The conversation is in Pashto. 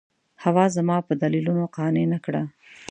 حوا زما په دلیلونو قانع نه کړه.